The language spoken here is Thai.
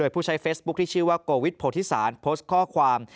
ผู้ใช้เฟซบุ๊คที่ชื่อว่าโกวิทโพธิสารโพสต์ข้อความ